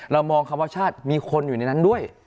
มองคำว่าชาติมีคนอยู่ในนั้นด้วย